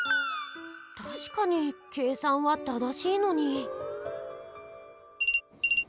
たしかに計算は正しいのに。